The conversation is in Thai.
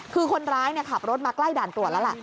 คือคนร้ายขับรถมาใกล้ด่านตรวจแล้วล่ะ